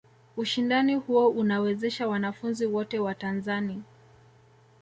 Ushindani huo unawezesha wanafunzi wote wa Tanzani